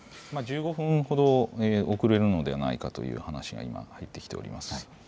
１５分ほど遅れるのではないかという話が今、入ってきています。